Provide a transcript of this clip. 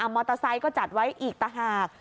มอเตอร์ไซค์ก็จัดไว้อีกต่างหาก